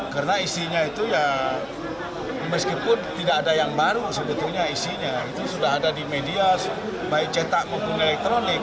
karena isinya itu ya meskipun tidak ada yang baru sebetulnya isinya itu sudah ada di media baik cetak kumpul elektronik